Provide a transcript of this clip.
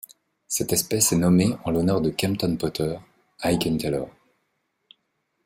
Cette espèce est nommée en l'honneur de Kempton Potter Aiken Taylor.